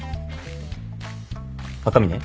赤嶺？